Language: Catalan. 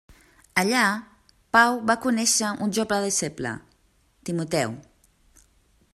Allà Pau va conèixer un jove deixeble, Timoteu.